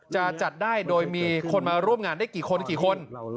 จะจัดได้โดยมีคนมาร่วมงานได้กี่คนกี่คน